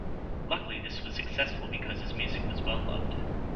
Luckily this was successful because his music was well loved.